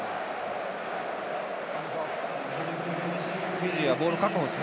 フィジーはボール確保です。